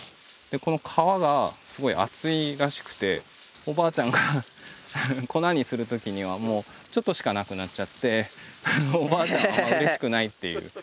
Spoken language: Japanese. この皮がすごい厚いらしくておばあちゃんが粉にする時にはもうちょっとしかなくなっちゃっておばあちゃんはうれしくないっていう。